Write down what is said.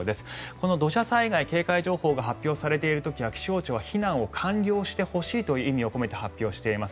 この土砂災害警戒情報が発表されている時は気象庁は避難を完了してほしいという意味を込めて発表しています。